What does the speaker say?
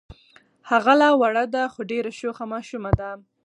هغه لا وړه ده خو ډېره شوخه ماشومه ده.